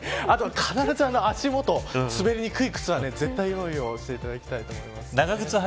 あとは、必ず足元を滑りにくい靴などで用意をしていただきたいと思います。